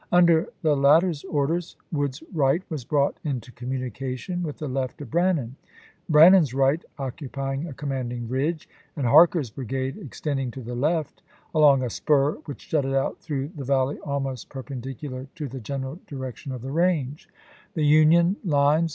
Under the latter's orders. Wood's right was brought into communication with the left of Brannan ; Brannan's right occupy ing a commanding ridge, and Barker's brigade ex tending to the left, along a spur which jutted out through the valley almost perpendicular to the general direction of the range; the Union lines Sept.